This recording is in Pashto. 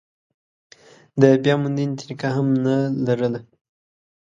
د بیاموندنې طریقه هم نه لرله.